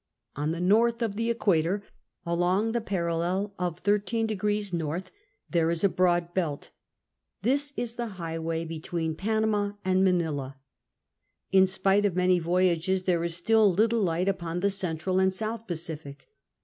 On the north of the equator, along the parallel of 13® N., there is a broad belt — this is the highway between Panama and Manila. In spite of many voyages there is still little light upon the central and south raciSc.